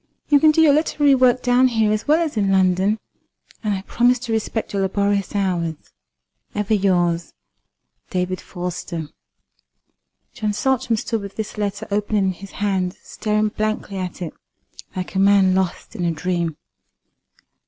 You can do your literary work down here as well as in London, and I promise to respect your laborious hours. Ever yours, "DAVID FORSTER." John Saltram stood with this letter open in his hand, staring blankly at it, like a man lost in a dream.